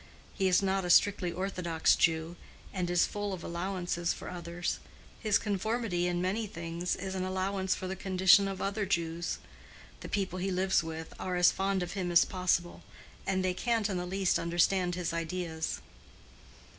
He is not a strictly orthodox Jew, and is full of allowances for others; his conformity in many things is an allowance for the condition of other Jews. The people he lives with are as fond of him as possible, and they can't in the least understand his ideas."